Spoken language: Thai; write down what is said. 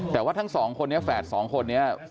แต่ว่าทั้งสองคนนี้แฝดสองคนนี้